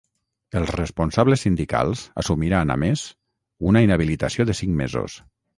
Els responsables sindicals assumiran, a més, una inhabilitació de cinc mesos.